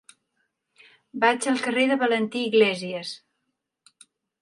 Vaig al carrer de Valentí Iglésias.